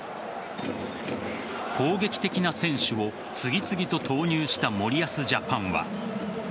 攻撃的な選手を次々と投入した森保ジャパンは。